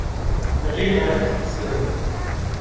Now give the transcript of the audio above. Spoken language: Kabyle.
Nɣiɣ-ak-tt.